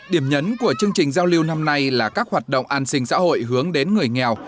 điểm nhấn của chương trình giao lưu năm nay là các hoạt động an sinh xã hội hướng đến người nghèo